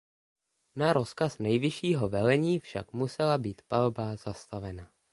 Na rozkaz nejvyššího velení však musela být palba zastavena.